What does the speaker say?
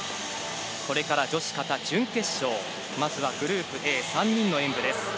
これから女子・形準決勝、まずはグループＡ、３人の演武です。